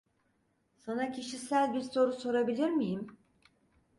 Sana kişisel bir soru sorabilir miyim?